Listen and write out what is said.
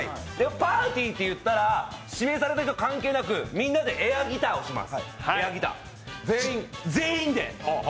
パーティといったら、指名された人関係なくみんなでエアギターをします。